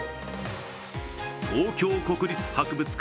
東京国立博物館